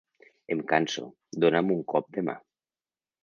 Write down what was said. Em canso, dona'm un cop de mà.